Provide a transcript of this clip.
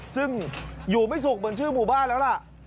ซึ่งอยู่ไม่สุขเหมือนชื่อหมู่บ้านแล้วล่ะ